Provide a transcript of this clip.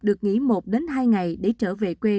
được nghỉ một hai ngày để trở về quê